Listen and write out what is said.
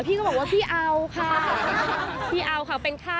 พี่ก็บอกว่าพี่เอาค่ะ